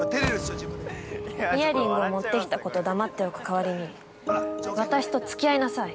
◆イヤリングを持ってきたこと黙っておく代わりに私とつき合いなさい。